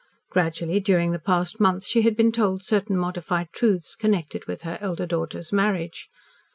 Gradually, during the past months, she had been told certain modified truths connected with her elder daughter's marriage.